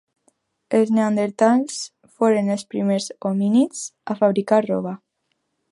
Els neandertals foren els primers homínids a fabricar roba.